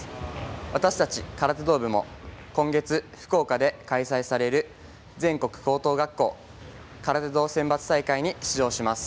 私たち空手道部も今月福岡で開催される全国高等学校空手道選抜大会に出場します。